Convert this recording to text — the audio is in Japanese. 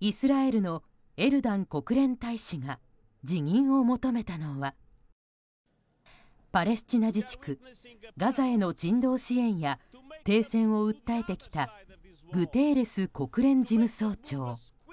イスラエルのエルダン国連大使が辞任を求めたのはパレスチナ自治区ガザへの人道支援や停戦を訴えてきたグテーレス国連事務総長。